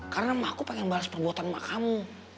karena emak aku pengen balas perbuatan emak kamu